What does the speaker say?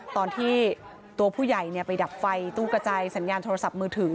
ตอนที่ตัวผู้ใหญ่ไปดับไฟตู้กระจายสัญญาณโทรศัพท์มือถือ